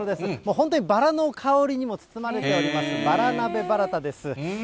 本当にバラの香りにも包まれております、ばらなべばらたです。